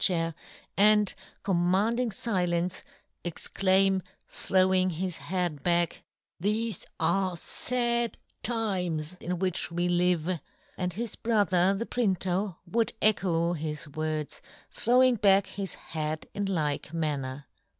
chair, and, commanding filence, ex claim, throwing his head back, " Thefe are fad times in which we " live ;" and his brother the printer would echo his words, throwing back his head in like manner.